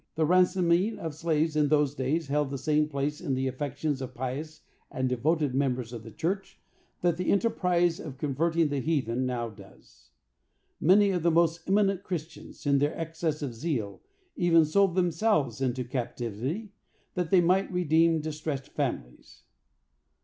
The ransoming of slaves in those days held the same place in the affections of pious and devoted members of the church that the enterprise of converting the heathen now does. Many of the most eminent Christians, in their excess of zeal, even sold themselves into captivity that they might redeem distressed families.